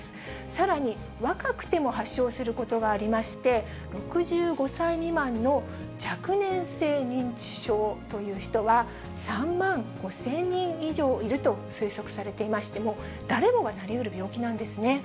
さらに若くても発症することがありまして、６５歳未満の若年性認知症という人は、３万５０００人以上いると推測されていまして、もう誰もがなりうる病気なんですね。